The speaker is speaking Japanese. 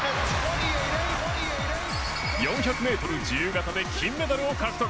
４００ｍ自由形で金メダルを獲得。